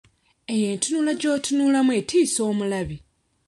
Eyo entunula gy'otunulamu etiisa omulabi.